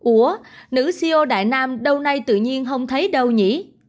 ủa nữ ceo đại nam đâu nay tự nhiên không thấy đâu nhỉ